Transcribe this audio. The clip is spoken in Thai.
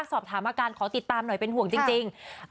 สอบถามอาการขอติดตามหน่อยเป็นห่วงจริง